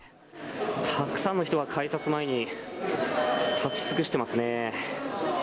たくさんの人が改札前に立ち尽くしていますね。